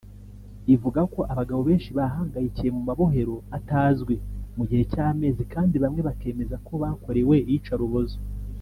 Ivuga ko abagabo benshi bahangayikiye mu mabohero atazwi mu gihe cy’amezi kandi bamwe bakemeza ko bakorewe iyicarubozo